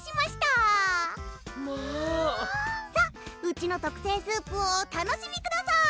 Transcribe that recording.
わぁまぁさっうちの特製スープをお楽しみください